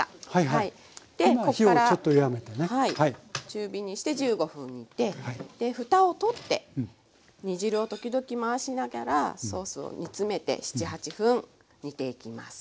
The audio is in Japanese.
中火にして１５分煮てでふたを取って煮汁を時々回しながらソースを煮詰めて７８分煮ていきます。